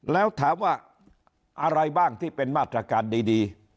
แล้วถามว่าอะไรบ้างที่เป็นมาตรการดี